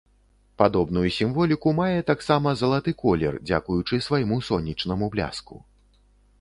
Падобную сімволіку мае таксама залаты колер, дзякуючы свайму сонечнаму бляску.